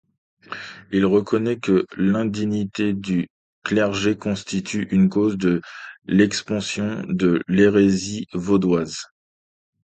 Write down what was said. Il reconnaît que l’indignité du clergé constitue une cause de l’expansion de l’hérésie vaudoise.